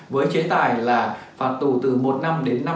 với chế tài là phạt tù từ một năm đến năm năm